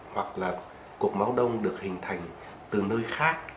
hoặc là cột máu đông được hình thành từ nơi khác